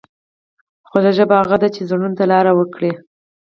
خوږه ژبه هغه ده چې زړونو ته لار وکړي.